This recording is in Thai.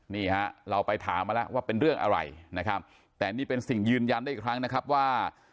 นี่ฮะเราไปถามมาแล้วว่าเป็นเรื่องอะไรนะครับแต่นี่เป็นสิ่งยืนยันได้อีกครั้งนะครับว่า